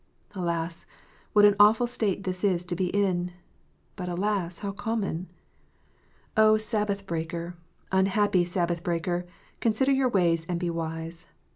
Alas, what an awful state this is to be in ! But, alas, how common ! Oh, Sabbath breaker, unhappy Sabbath breaker, consider your ways, and be wise